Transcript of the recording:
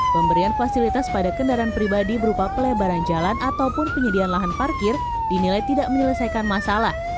pemberian fasilitas pada kendaraan pribadi berupa pelebaran jalan ataupun penyediaan lahan parkir dinilai tidak menyelesaikan masalah